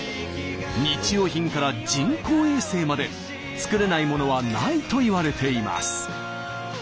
日用品から人工衛星まで作れないものはないといわれています。